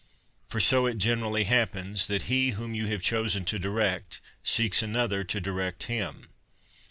For so it generally happens, that he whom you have chosen to direct, seeks another to direct him.